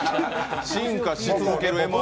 進化し続ける「Ｍ−１」